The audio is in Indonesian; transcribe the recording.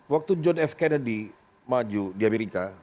waktu john f kennedy maju di amerika